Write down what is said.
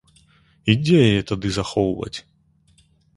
І дзе яе тады захоўваць?